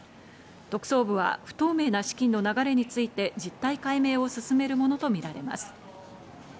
特捜部は不透明な資金の流れについて実態解明を進めるものとみられます。